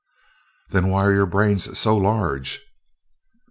"Then why are your brains so large?"